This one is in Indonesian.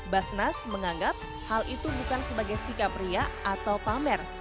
basnas menganggap hal itu bukan sebagai sikap ria atau pamer